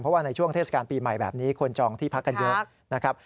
เพราะว่าในช่วงเทศกาลปีใหม่แบบนี้คนจองที่พักกันเยอะนะครับ